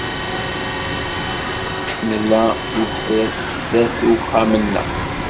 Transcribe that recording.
Nla tibḥirt sdat uxxam-nneɣ.